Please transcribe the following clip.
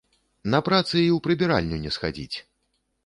На працы і ў прыбіральню не схадзіць!